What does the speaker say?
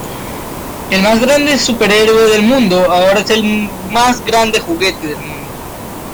¡ El mas grande súper héroe del mundo, ahora el mas grande juguete del mundo!